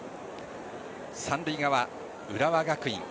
三塁側・浦和学院。